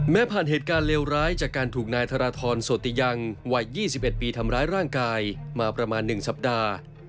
ผ่านเหตุการณ์เลวร้ายจากการถูกนายธรทรโสติยังวัย๒๑ปีทำร้ายร่างกายมาประมาณ๑สัปดาห์